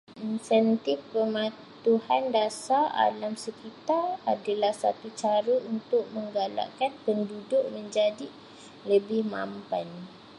Insentif pematuhan dasar alam sekitar adalah satu cara untuk menggalakkan penduduk menjadi lebih mampan